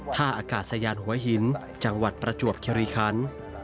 ท่าอากาศยานหัวหินจังหวัดประจวบคิริคัน